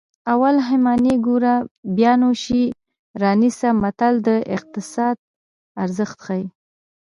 اول همیانۍ ګوره بیا نو شی رانیسه متل د اقتصاد ارزښت ښيي